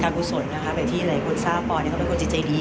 แบบที่หลายคนทราบปอล์เป็นคนจิตใจดี